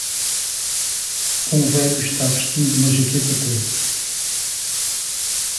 Um velho está vestindo uma jaqueta preta.